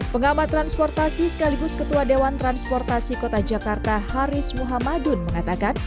pengamat transportasi sekaligus ketua dewan transportasi kota jakarta haris muhammadun mengatakan